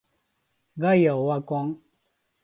ガイアオワコン